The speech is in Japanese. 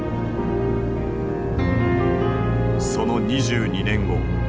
その２２年後。